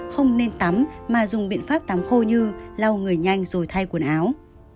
không nên tắm mà dùng biện pháp tắm khô như lau người nhanh rồi thay quần áo